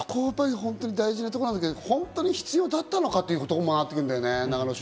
本当に大事なところなんだけど、本当に必要だったのかというところにもなってくるんだよね。